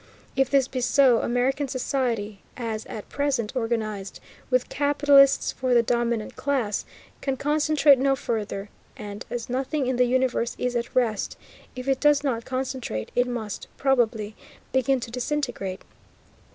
If this be so, American society, as at present organized, with capitalists for the dominant class, can concentrate no further, and, as nothing in the universe is at rest, if it does not concentrate, it must, probably, begin to disintegrate.